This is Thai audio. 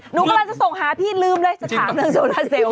หนูกำลังจะส่งหาพี่ลืมเลยนึกว่าเข้าคนทั้งโรคราเซลล์อยู่